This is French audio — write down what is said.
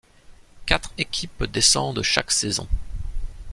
Quatre équipes descendent chaque saison.